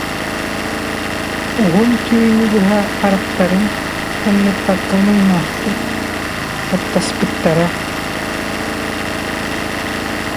Уһун түүнү быһа харахтарын тымныппакка омуннаахтык таптаспыттара